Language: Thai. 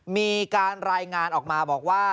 มีการรายงานออกมาบอกว่า